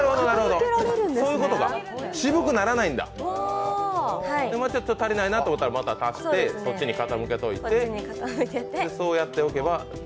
渋くならないんだ、また足りないなと思ったらまた足してそっちに傾けておいてそうやっておけば。